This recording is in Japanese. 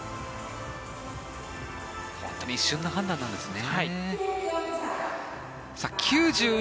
本当に一瞬の判断なんですね。